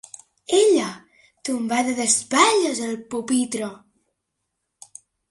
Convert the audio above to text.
Ella, tombada d'espatlles al pupitre